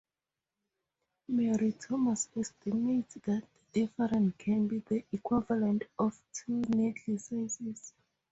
Mary Thomas estimates that the difference can be the equivalent of two needle sizes.